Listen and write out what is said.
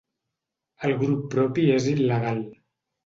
El grup propi és il·legal